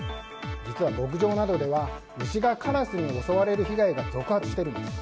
実は牧場などでは牛がカラスに襲われる被害が続発しているんです。